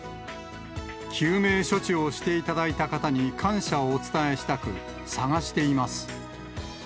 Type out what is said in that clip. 救命処置をしていただいた方に感謝をお伝えしたく、探しています。